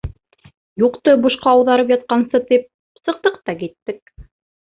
Юҡты бушҡа ауҙарып ятҡансы тип, сыҡтыҡ та киттек.